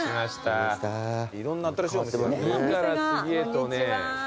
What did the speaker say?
次から次へとね。